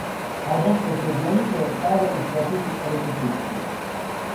Албанска штедионица је сада у процесу реконструкције.